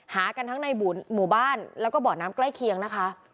หากันทั้งในหมู่บ้านแล้วก็บ่อน้ำใกล้เคียงนะคะ